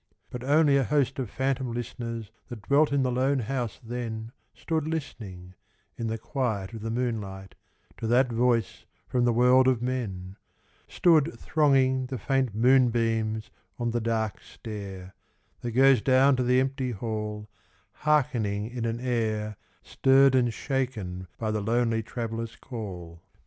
But only a host of phantom listeners That dwelt in the lone house then Stood listening in the quiet of the moonlight To that voice from the world of men: Stood thronging the faint moonbeams on the dark stair, That goes down to the empty hall, Hearkening in an air stirred and shaken By the lonely Traveller's call.